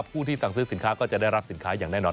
ผู้ที่สั่งซื้อสินค้าก็จะได้รับสินค้าอย่างแน่นอน